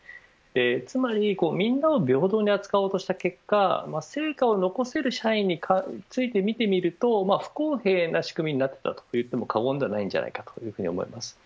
つまりみんなを平等に扱おうとした結果成果を残せる社員について見てみてると不公平な仕組みになっていたといっても過言ではないと思います。